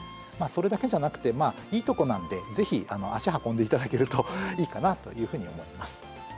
それだけじゃなくていいとこなんでぜひ足運んで頂けるといいかなというふうに思います。